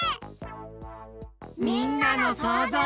みんなのそうぞう。